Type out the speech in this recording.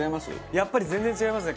やっぱり全然違いますね。